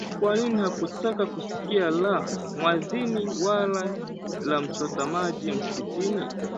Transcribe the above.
Kwa nini hakutaka kusikia la mwadhini wala la mchota maji msikitini?